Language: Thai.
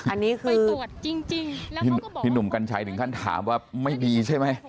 อันนี้คือพี่หนุ่มกัญชัยถึงขั้นถามว่าไม่ดีใช่ไหม